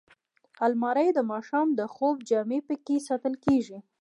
الماري د ماښام د خوب جامې پکې ساتل کېږي